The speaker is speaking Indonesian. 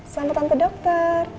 sama tante dokter